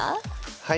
はい。